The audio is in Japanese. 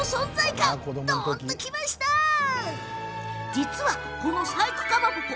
実は、この細工かまぼこ